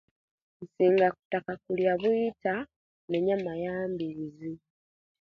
Nsinga kutaka kulya bwiitta ne enyama ya'mbizi